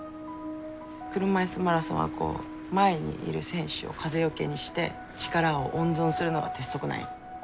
車いすマラソンはこう前にいる選手を風よけにして力を温存するのが鉄則なんよ。